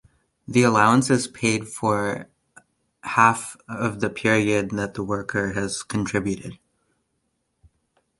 The allowance is paid for half of the period that the worker has contributed.